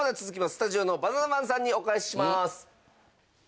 スタジオのバナナマンさんにお返しします。